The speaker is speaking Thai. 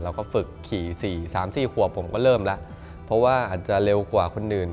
ฝึกขี่๔๓๔ขวบผมก็เริ่มแล้วเพราะว่าอาจจะเร็วกว่าคนอื่น